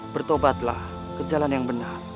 bertobatlah ke jalan yang benar